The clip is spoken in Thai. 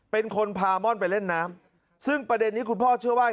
เป็นคนพาม่อนไปเล่นน้ำซึ่งประเด็นนี้คุณพ่อเชื่อว่า